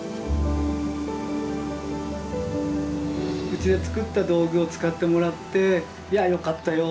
うちで作った道具を使ってもらって「いやよかったよ」